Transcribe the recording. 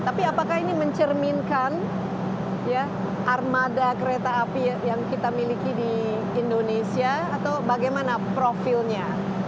tapi apakah ini mencerminkan armada kereta api yang kita miliki di indonesia atau bagaimana profilnya